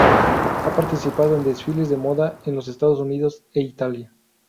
Ha participado en desfiles de moda en los Estados Unidos e Italia.